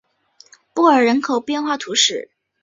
布尔人口变化图示